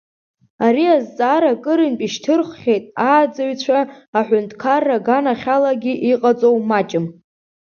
Ари азҵаара акырынтә ишьҭырххьеит ааӡаҩцәа, аҳәынҭқарра аганахьалагьы иҟаҵоу маҷым.